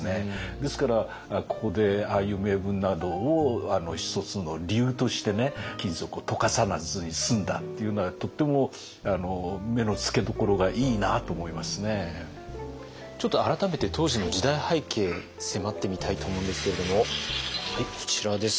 ですからここでああいう銘文などを一つの理由として金属を溶かさずに済んだっていうのはとってもちょっと改めて当時の時代背景迫ってみたいと思うんですけれどもはいこちらです。